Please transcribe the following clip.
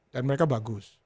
dan mereka bagus